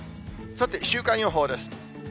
さて、週間予報です。